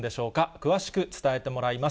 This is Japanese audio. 詳しく伝えてもらいます。